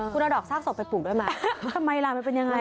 คุณเอาดอกซากศพไปปลูกด้วยไหมทำไมล่ะมันเป็นยังไง